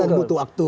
dan butuh waktu